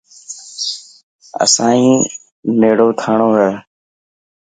اسانڻي نيڙو ٿانڙو هي.